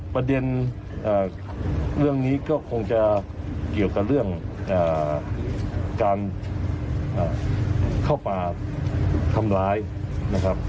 ประเด็นเรื่องนี้ก็คงจะเกี่ยวกับเรื่องการเข้าป่าทำร้ายนะครับ